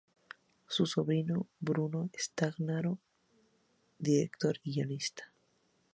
Su sobrino Bruno Stagnaro, director y guionista.